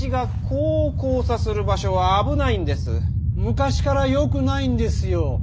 昔から良くないんですよ